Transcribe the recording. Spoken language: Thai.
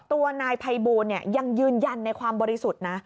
ตัวนายภัยบูลยังยืนยันในความบริสุทธิ์นะ